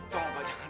tunggu pak jangan